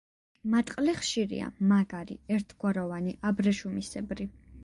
მატყლი ხშირია, მაგარი, ერთგვაროვანი, აბრეშუმისებრი.